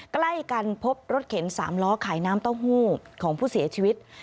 ใกล้กันพบรถเข็น๓ล้อขายน้ำเต้าหู้ของผู้เสียชีวิต